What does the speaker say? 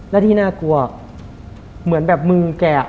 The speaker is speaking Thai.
และที่น่ากลัวเหมือนแบบมือแก